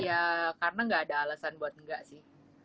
ya karena nggak ada alasan buat enggak sih